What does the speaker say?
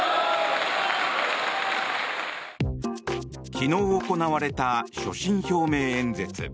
昨日行われた所信表明演説。